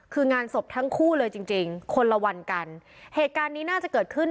คืองานศพทั้งคู่เลยจริงจริงคนละวันกันเหตุการณ์นี้น่าจะเกิดขึ้น